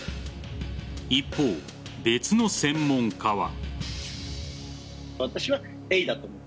一方、別の専門家は。